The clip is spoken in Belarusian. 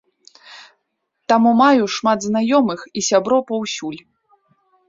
Таму маю шмат знаёмых і сяброў паўсюль.